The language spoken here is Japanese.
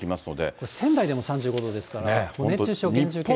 これ、仙台でも３５度ですから、熱中症厳重警戒です。